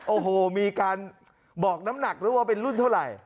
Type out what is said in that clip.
โอ้โหมีการบอกน้ำหนักด้วยว่าเป็นรุ่นเท่าไหร่